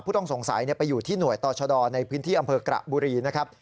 ต้องสงสัยไปอยู่ที่หน่วยต่อชะดอในพื้นที่อำเภอกระบุรีนะครับ